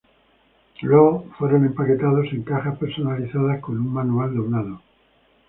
Luego fueron empaquetados en cajas personalizadas con un manual doblado.